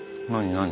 何？